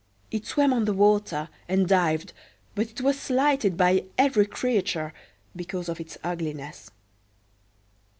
It swam on the water, and dived, but it was slighted by every creature because of its ugliness.